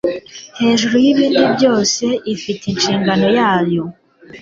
hejuru y'ibindi byose, ifite inshingano zayo